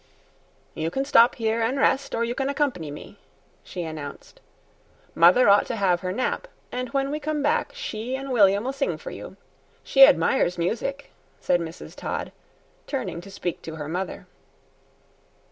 "You can stop here an' rest, or you can accompany me," she announced. "Mother ought to have her nap, and when we come back she an' William'll sing for you. She admires music," said Mrs. Todd, turning to speak to her mother.